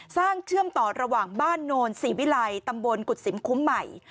เชื่อมต่อระหว่างบ้านโนนศรีวิลัยตำบลกุศิมคุ้มใหม่